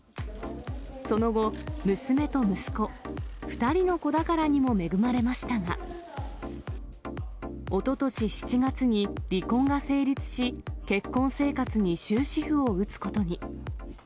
その後、娘と息子、２人の子宝にも恵まれましたが、おととし７月に離婚が成立し、結婚生活に終止符を打つことに。